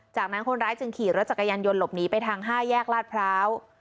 จากนั้นคนร้ายจึงขี่รถจักรยานยนต์หลบหนีไปทาง๕แยกลาดพร้าว